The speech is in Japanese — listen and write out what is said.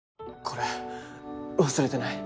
これ忘れてない？